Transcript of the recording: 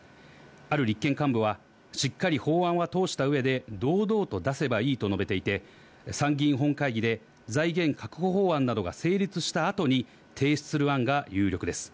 ある立憲幹部はしっかり法案は通した上で、堂々と出せばいいと述べていて参議院本会議で、財源確保法案などが成立した後に提出する案が有力です。